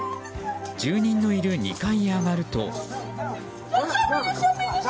住人のいる２階へ上がると。